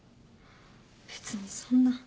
別にそんな。